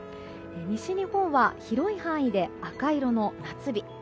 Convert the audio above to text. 西日本は広い範囲で赤色の夏日。